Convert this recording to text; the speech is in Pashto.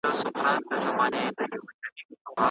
د اوښکو شپه څنګه پر څوکه د باڼه تېرېږي